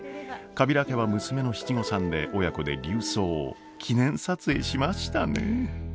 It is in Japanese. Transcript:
カビラ家は娘の七五三で親子で琉装を記念撮影しましたねえ。